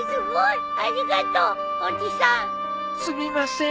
すみません。